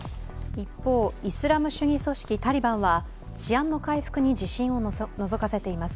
一方、イスラム主義組織タリバンは治安の回復に自信をのぞかせています。